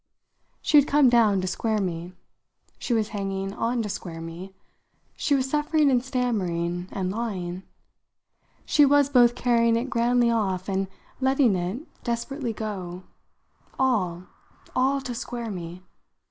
She had come down to square me; she was hanging on to square me; she was suffering and stammering and lying; she was both carrying it grandly off and letting it desperately go: all, all to square me.